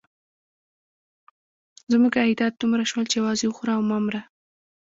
زموږ عایدات دومره شول چې یوازې وخوره او مه مره.